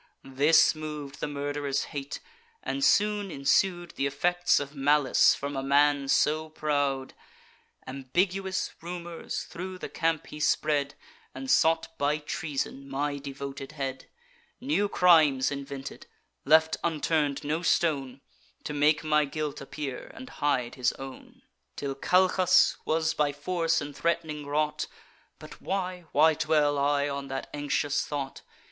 This mov'd the murderer's hate; and soon ensued Th' effects of malice from a man so proud. Ambiguous rumours thro' the camp he spread, And sought, by treason, my devoted head; New crimes invented; left unturn'd no stone, To make my guilt appear, and hide his own; Till Calchas was by force and threat'ning wrought: But why—why dwell I on that anxious thought?